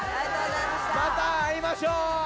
また会いましょう！